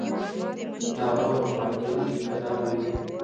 هغه به په پارکونو کې قدم وهي.